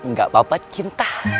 gak apa apa cinta